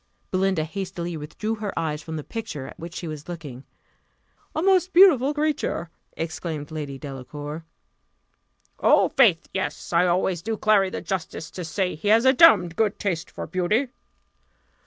Belinda hastily withdrew her eyes from the picture at which she was looking. "A most beautiful creature!" exclaimed Lady Delacour. "Oh, faith! yes; I always do Clary the justice to say, he has a damned good taste for beauty."